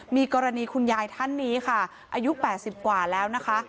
มีกรณีคุณยายท่านนี้ค่ะอายุ๘๐กว่าแล้วนะคะ